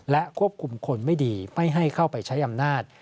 และควบคุมคนไม่ดีไม่ให้เข้าไปใช้อำนาจ